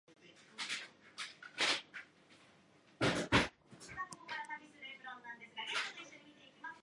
Lower blood glucose levels can lead to unsuccessful self-control abilities.